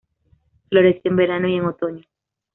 Florece en verano y en otoño.